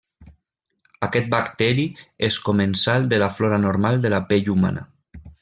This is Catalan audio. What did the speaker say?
Aquest bacteri és comensal de la flora normal de la pell humana.